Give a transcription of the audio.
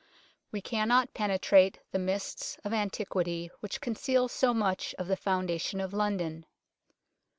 We cannot penetrate the mists of antiquity which conceal so much of the foundation of London.